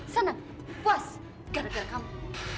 sana puas gara gara kamu